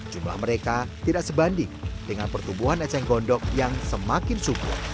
jumlah mereka tidak sebanding dengan pertumbuhan eceng gondok yang semakin subur